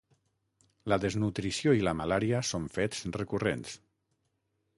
La desnutrició i la malària són fets recurrents.